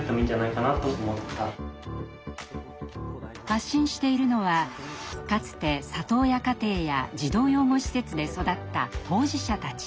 発信しているのはかつて里親家庭や児童養護施設で育った当事者たち。